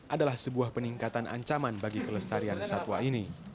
adalah sebuah peningkatan ancaman bagi kelestarian satwa ini